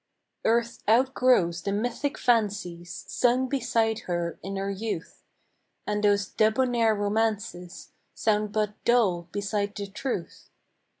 ARTH outgrows the mythic fancies Sung beside her in her youth ; And those debonair romances Sound but dull beside the truth.